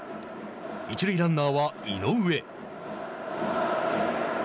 一塁ランナーは井上。